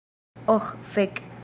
Oh fek'